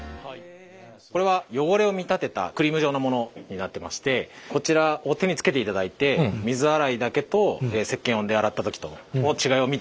これは汚れを見立てたクリーム状のものになってましてこちらを手につけていただいて水洗いだけと石けんで洗った時との違いを見ていただきたいと。